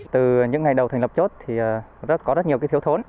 từ những ngày đầu thành lập chốt thì có rất nhiều thiếu thốn